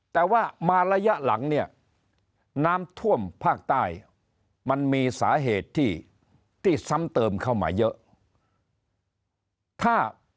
แต่ว่ามาระยะหลังเนี่ยน้ำท่วมภาคใต้มันมีสาเหตุที่ซ้ำเติมเข้ามาเยอะ